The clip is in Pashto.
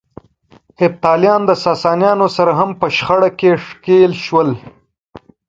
هېپتاليان د ساسانيانو سره هم په شخړه کې ښکېل شول.